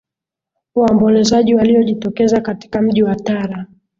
waombolezaji waliojitokeza katika mji wa tara